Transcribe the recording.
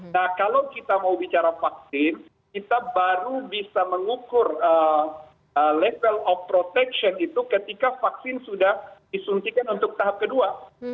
nah kalau kita mau bicara vaksin kita baru bisa mengukur level of protection itu ketika vaksin sudah disuntikan untuk tahap kedua